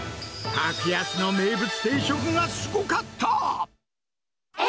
格安の名物定食がすごかった。